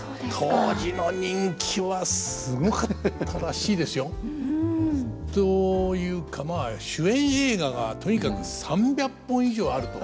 当時の人気はすごかったらしいですよ。というかまあ主演映画がとにかく３００本以上あると。